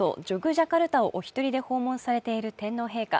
ジャカルタをお一人で訪問されている天皇陛下。